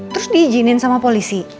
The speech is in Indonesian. terus diizinin sama polisi